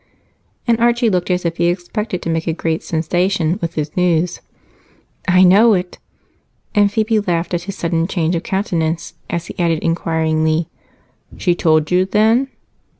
And Archie looked as if he expected to make a great sensation with his news. "I know it." And Phebe laughed at his sudden change of countenance as he added inquiringly, "She told you, then?"